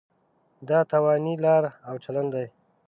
دا تاواني لاره او چلن دی.